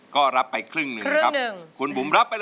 ขอบคุณครับ